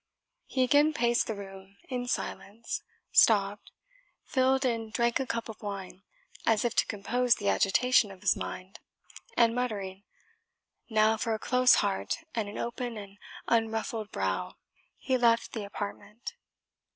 He again paced the room in silence, stopped, filled and drank a cup of wine, as if to compose the agitation of his mind, and muttering, "Now for a close heart and an open and unruffled brow," he left the apartment.